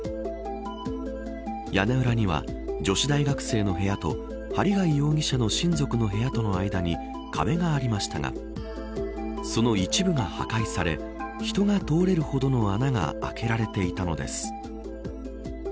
屋根裏には、女子大学生の部屋と針谷容疑者の親族の部屋との間に壁がありましたがその一部が破壊され人が通れるほどの穴が開けられていたのです。